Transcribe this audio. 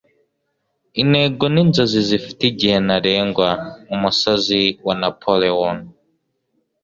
intego ni inzozi zifite igihe ntarengwa. - umusozi wa napoleon